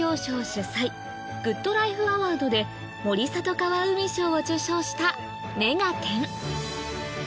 主催グッドライフアワードで森里川海賞を受賞した『目がテン！』